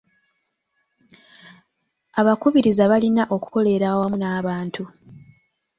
Abakubiriza balina okukolera awamu n'abantu.